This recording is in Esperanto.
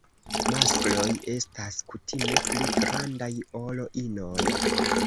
Maskloj estas kutime pli grandaj ol inoj.